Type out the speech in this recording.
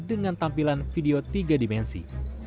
dengan tampilan video tiga dimensi